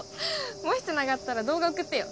もしつながったら動画送ってよ。